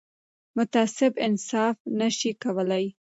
متعصب انصاف نه شي کولای